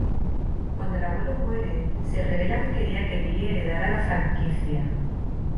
Cuando el abuelo muere, se revela que quería que Billy heredara la franquicia.